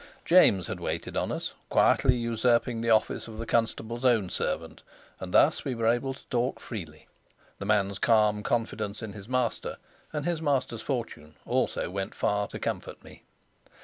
James had waited on us, quietly usurping the office of the constable's own servant, and thus we had been able to talk freely. The man's calm confidence in his master and his master's fortune also went far to comfort me.